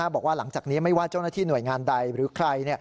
บอกว่าหลังจากนี้ไม่ว่าเจ้าหน้าที่หน่วยงานใดหรือใคร